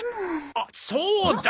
あっそうだ！